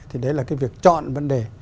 thì đấy là cái việc chọn vấn đề